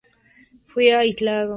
Fue aislado del Mar Muerto.